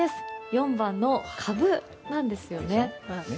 ４番のカブなんですね。